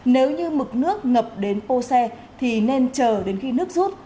nếu như mực nước ngập đến bô xe thì nên chờ đến khi nước rút